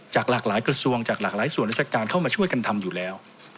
หลากหลายกระทรวงจากหลากหลายส่วนราชการเข้ามาช่วยกันทำอยู่แล้ว